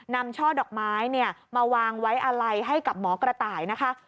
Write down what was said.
ช่อดอกไม้มาวางไว้อะไรให้กับหมอกระต่ายนะคะ